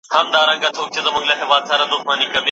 بد عمل رسوايي راوړي.